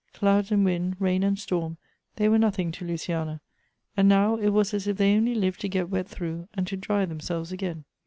Clouds and wind, rain and storm, they were nothing to Luciana, and now it was as if they only lived to get wet through, and to dry themselves again.